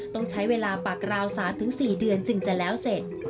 ต้องใช้เวลาปักราว๓๔เดือนจึงจะแล้วเสร็จ